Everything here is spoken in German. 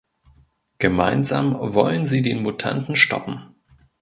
Gemeinsam wollen sie den Mutanten stoppen.